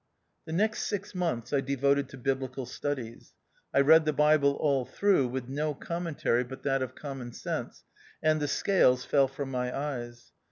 The next six months I devoted to biblical studies. I read the Bible all through, with no commentary but that of common sense, and the scales fell from my eyes.